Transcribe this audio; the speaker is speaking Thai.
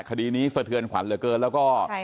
คดีนี้สะเทือนขวัญเหลือเกินแล้วก็